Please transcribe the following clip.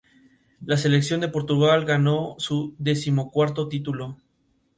La selección de Portugal ganó su decimocuarto título.